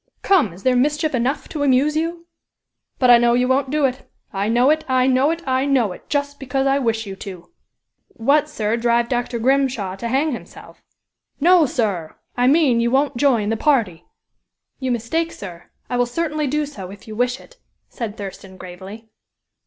Come! is there mischief enough to amuse you? But I know you won't do it! I know it! I know it! I know it! just because I wish you to!" "What, sir? drive Dr. Grimshaw to hang himself?" "No, sir! I mean you won't join the party." "You mistake, sir. I will certainly do so, if you wish it," said Thurston, gravely.